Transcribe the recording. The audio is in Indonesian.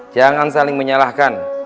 jangan saling menyalahkan